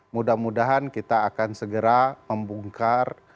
mudah mudahan kita akan segera membongkar